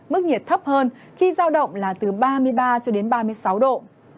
mức nhiệt thấp hơn khi giao động là từ ba mươi ba cho đến ba mươi sáu độ